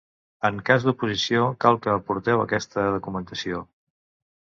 En cas d'oposició cal que aporteu aquesta documentació.